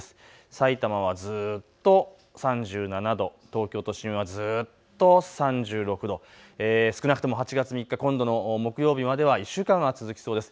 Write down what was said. さいたまはずっと３７度、東京都心はずっと３６度、少なくても８月３日、今度の木曜日までは１週間は続きそうです。